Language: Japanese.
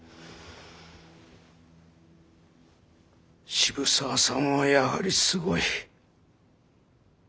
渋沢さんはやはりすごい。